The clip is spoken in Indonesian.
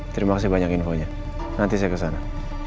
terima kasih banyak infonya nanti saya kesana